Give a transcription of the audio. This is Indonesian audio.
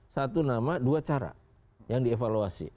satu nama dua cara yang dievaluasi